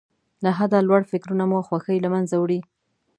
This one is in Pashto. له حده لوړ فکرونه مو خوښۍ له منځه وړي.